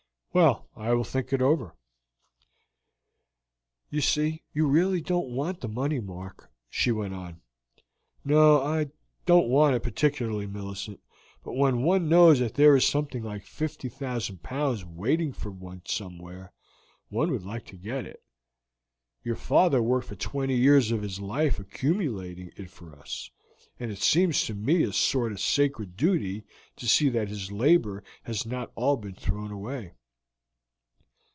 "Well, I will think it over." "You see, you really don't want the money, Mark," she went on. "No, I don't want it particularly, Millicent; but when one knows that there is something like 50,000 pounds waiting for one somewhere, one would like to get it. Your father worked for twenty years of his life accumulating it for us, and it seems to me a sort of sacred duty to see that his labor has not all been thrown away."